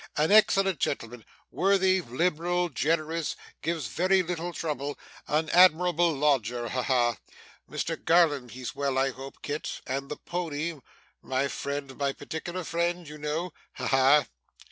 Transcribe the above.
An excellent gentleman worthy, liberal, generous, gives very little trouble an admirable lodger. Ha ha! Mr Garland he's well I hope, Kit and the pony my friend, my particular friend you know. Ha ha!